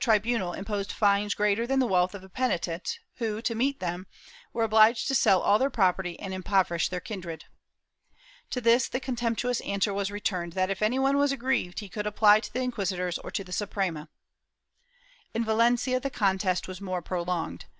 360 MOBISCOS [Book VIII bunal imposed fines greater than the wealth of the penitents who, to meet them, were obHged to sell all their property and impoverish their kindred. To this the contemptuous answer was returned that if any one was aggrieved he could apply to the inquisitors or to the Suprema/ In Valencia the contest was more prolonged.